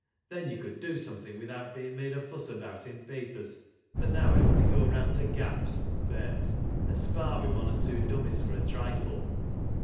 Then you could do something without being made a fuss about in papers, but now I only go round to gaffs (fairs) and sparr with one or two dummies for a trifle.